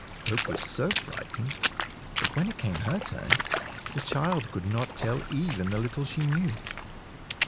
Hope was so frightened that, when it came her turn, the child could not tell even the little she knew.